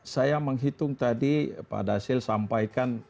saya menghitung tadi pak dasil sampaikan